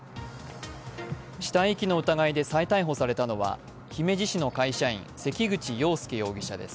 死体遺棄の疑いで再逮捕されたのは、姫路市の会社員、関口洋佑容疑者です。